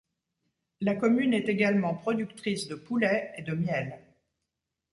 La commune est également productrice de poulets et de miel.